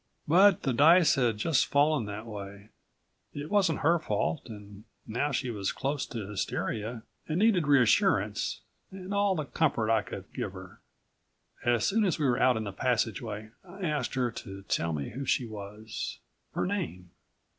But the dice had just fallen that way. It wasn't her fault and now she was close to hysteria and needed reassurance and all the comfort I could give her. As soon as we were out in the passageway I asked her to tell me who she was. Her name.